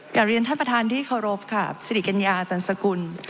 กับเรียนท่านประธานที่ขอรบครับสิริกัญญาตรรสกุล